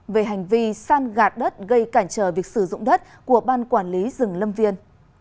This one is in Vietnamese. về hành vi san gạt đất gây cản trở việc sử dụng đất của ban quản lý rừng lâm viên